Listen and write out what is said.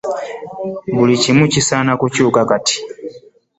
Buli kimu kisaana kukyuka kati.